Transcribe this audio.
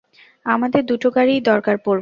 আমাদের দুটো গাড়িই দরকার পড়বে।